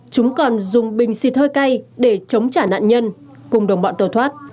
chúng còn dùng bình xịt hơi cay để chống trả nạn nhân cùng đồng bọn tổ thoát